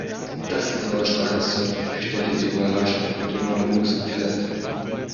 Das ist aber starkes Zeug!, stellte sie überrascht und immer noch hustend fest.